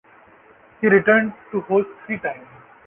He returned to host three times.